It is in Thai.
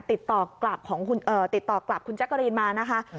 ติดต่อกลับคุณแจ๊กกะรีนมานะคะ